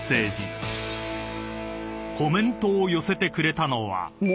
［コメントを寄せてくれたのは］